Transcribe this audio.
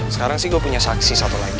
sekarang sih gue punya saksi satu lagi